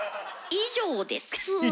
以上ですぅ。